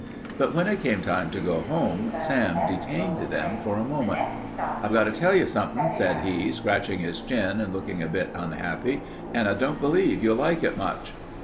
But when it came time to go home Sam detained them for a moment. "I've got to tell you something," said he, scratching his chin and looking a bit unhappy, "and I don't believe you'll like it much."